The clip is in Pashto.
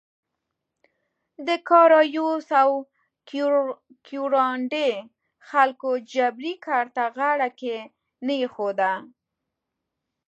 د کارایوس او کیورانډي خلکو جبري کار ته غاړه کې نه ایښوده.